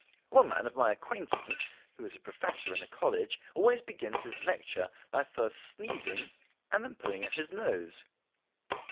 One man of my acquaintance, who is a professor in a college, always begins his lecture by first sneezing and then pulling at his nose.